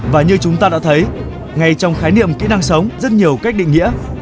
và như chúng ta đã thấy ngay trong khái niệm kỹ năng sống rất nhiều cách định nghĩa